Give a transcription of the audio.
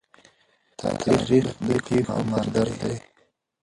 تاریخ د پېښو مادر دی.